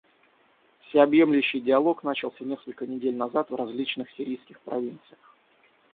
Всеобъемлющий диалог начался несколько недель назад в различных сирийских провинциях.